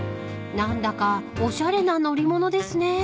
［何だかおしゃれな乗り物ですね］